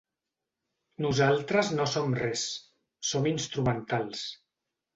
Nosaltres no som res, som instrumentals.